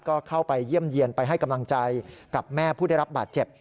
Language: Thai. ก็เข้าไปเยี่ยมเยี่ยนไปให้กำลังใจกับแม่ผู้ได้รับบาดเจ็บ